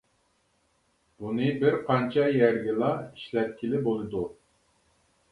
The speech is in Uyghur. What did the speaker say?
بۇنى بىر قانچە يەرگىلا ئىشلەتكىلى بولىدۇ.